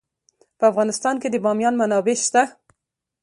په افغانستان کې د بامیان منابع شته.